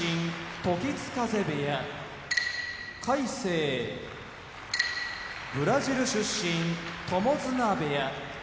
時津風部屋魁聖ブラジル出身友綱部屋